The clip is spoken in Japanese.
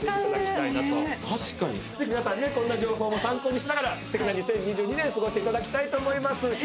ぜひ皆さんねこんな情報も参考にしながらすてきな２０２２年過ごしていただきたいと思います。